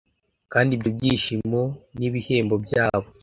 kandi ibyo byishimo nibihembo byabo